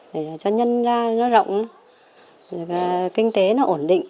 để cho nhân ra nó rộng kinh tế nó ổn định